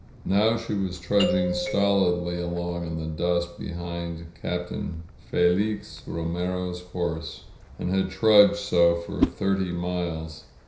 Now she was trudging stolidly along in the dust be hind Captain Felix Romero's horse — and had trudged so for thirty miles.